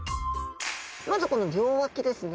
まずこの両脇ですね。